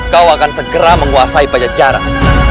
kau akan segera menguasai pajejaran